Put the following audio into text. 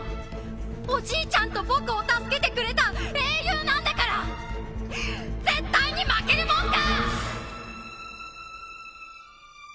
おじいちゃんと僕を助けてくれた英雄なんだから絶対に負けるもんか！